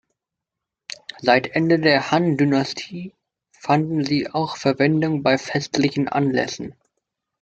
Seit Ende der Han-Dynastie fanden sie auch Verwendung bei festlichen Anlässen.